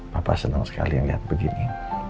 papa senang sekali yang lihat begini